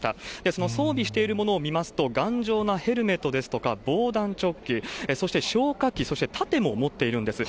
その装備しているものを見ますと、頑丈なヘルメットですとか、防弾チョッキ、そして消火器、そして盾も持っているんです。